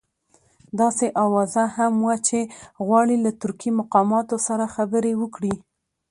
داسې اوازه هم وه چې غواړي له ترکي مقاماتو سره خبرې وکړي.